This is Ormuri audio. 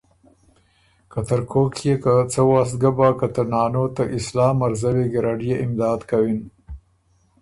که ترکوک يې که څۀ وست بَۀ که ته نانو ته اسلام مرزوی ګیرډ يې امداد کوِن